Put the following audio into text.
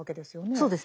そうですね。